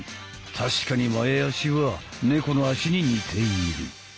確かに前足は猫の足に似ている。